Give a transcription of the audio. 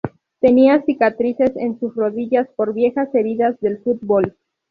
Tenía cicatrices en sus rodillas por viejas heridas del fútbol.